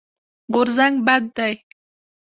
غورځنګ بد دی.